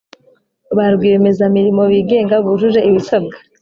ba rwiyemezamirimo bigenga bujuje ibisabwa